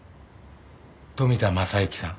富田正之さん